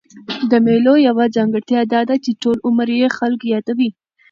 د مېلو یوه ځانګړتیا دا ده، چي ټول عمر ئې خلک يادوي.